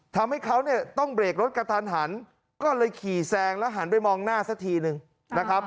ทำให้เขาเนี่ยต้องเบรกรถกระทันหันก็เลยขี่แซงแล้วหันไปมองหน้าสักทีนึงนะครับ